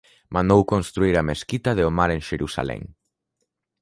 Mandou construír a mesquita de Omar en Xerusalén.